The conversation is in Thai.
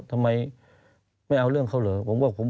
ทำไมไม่เอาเรื่องเขาเหรอ